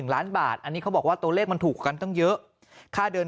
ล้านบาทอันนี้เขาบอกว่าตัวเลขมันถูกกันตั้งเยอะค่าเดิน